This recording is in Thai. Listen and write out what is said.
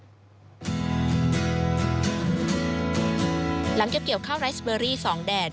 หลังเกี่ยวข้าวไรซ์เบอรี่๒แดด